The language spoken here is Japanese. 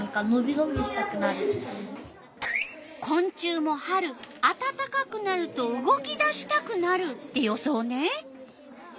こん虫も春あたたかくなると動き出したくなるって予想ね。